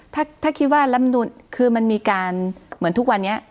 อ๋อถ้าคิดว่ารำนูนคือมีการเหมือนทุกวันเนี่ย